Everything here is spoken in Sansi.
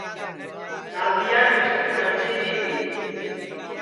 دؔادؔیان مِسکُوکھرچی دؔی تی